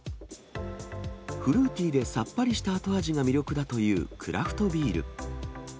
フルーティでさっぱりした後味が魅力だというクラフトビール。